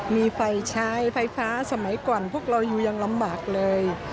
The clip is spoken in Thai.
มีไฟใช้ไฟฟ้าสมัยก่อนพวกเราอยู่ยังลำบากเลย